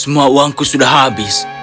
semua uangku sudah habis